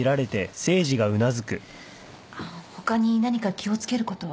あのほかに何か気を付けることは。